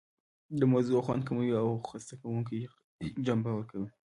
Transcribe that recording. د موضوع خوند کموي او خسته کوونکې جنبه ورکوي.